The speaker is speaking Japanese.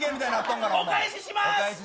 お返しします。